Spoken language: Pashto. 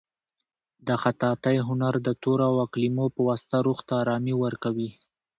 د خطاطۍ هنر د تورو او کلیمو په واسطه روح ته ارامي ورکوي.